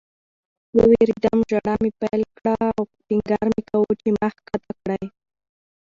ووېرېدم. ژړا مې پیل کړه او ټینګار مې کاوه چې ما ښکته کړئ